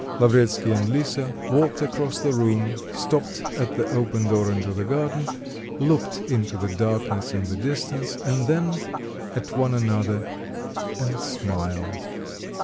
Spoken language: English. Lavretsky and Lisa walked across the room, stopped at the open door into the garden, looked into the darkness in the distance and then at one another, and smiled.